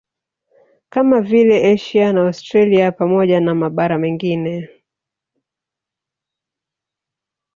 Kama vile Asia na Australia pamoja na mabara mengine